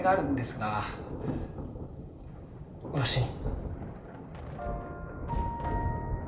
わしに？